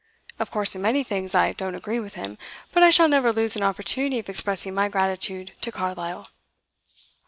Of course in many things I don't agree with him, but I shall never lose an opportunity of expressing my gratitude to Carlyle.